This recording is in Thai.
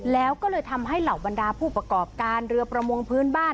แล้วก็เลยทำให้เหล่าบรรดาผู้ประกอบการเรือประมงพื้นบ้าน